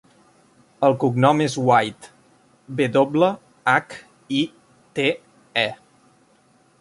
El cognom és White: ve doble, hac, i, te, e.